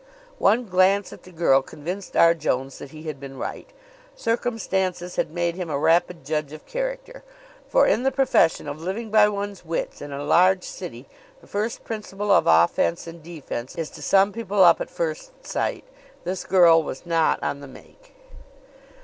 One glance at the girl convinced R. Jones that he had been right. Circumstances had made him a rapid judge of character, for in the profession of living by one's wits in a large city the first principle of offense and defense is to sum people up at first sight. This girl was not on the make.